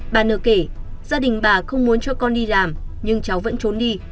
bà nữa kể gia đình bà không muốn cho con đi làm nhưng cháu vẫn trốn đi